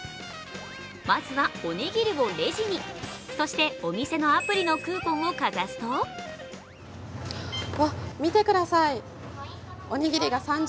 まずはおにぎりをレジに、そしてお店のアプリのクーポンをかざすとわっ、見てください。